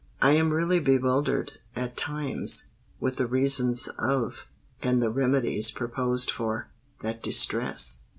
I am really bewildered, at times, with the reasons of, and the remedies proposed for, that distress.